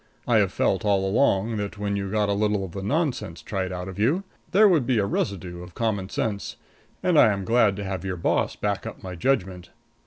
I have felt all along that when you got a little of the nonsense tried out of you there would be a residue of common sense, and I am glad to have your boss back up my judgment.